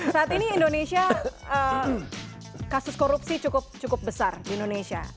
saat ini indonesia kasus korupsi cukup besar di indonesia